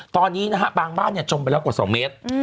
ตอนนี้นะฮะบางบ้านจมไปแล้วกว่า๒เมตร